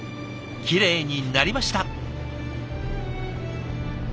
きれいになりました。